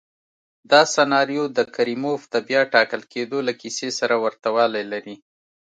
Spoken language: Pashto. دا سناریو د کریموف د بیا ټاکل کېدو له کیسې سره ورته والی لري.